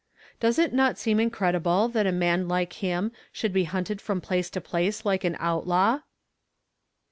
Does it not seem inci'cdible that a man like him should be hunted from place to place like an out law?"